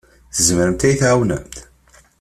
Tzemremt ad iyi-tɛawnemt?